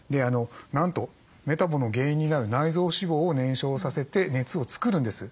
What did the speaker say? なんとメタボの原因になる内臓脂肪を燃焼させて熱を作るんです。